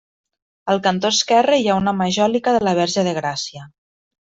Al cantó esquerre hi ha una Majòlica de la Verge de Gràcia.